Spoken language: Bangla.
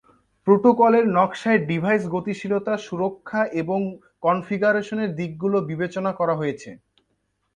প্রোটোকলের নকশায় ডিভাইস গতিশীলতা, সুরক্ষা এবং কনফিগারেশন দিকগুলি বিবেচনা করা হয়েছে।